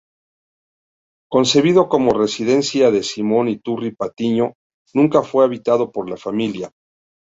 Concebido como residencia de Simón Iturri Patiño nunca fue habitado por la familia.